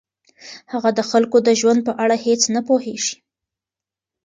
هغه د خلکو د ژوند په اړه هیڅ نه پوهیږي.